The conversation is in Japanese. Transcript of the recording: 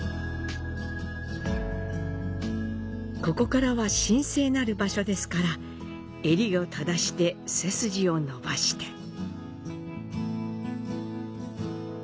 ここからは神聖なる場所ですから、襟をただして背筋を伸ばして。